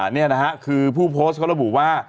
นี่นะฮะคือผู้โพสต์เขาระบุว่า